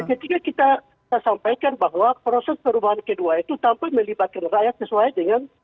ketika kita sampaikan bahwa proses perubahan kedua itu tanpa melibatkan rakyat sesuai dengan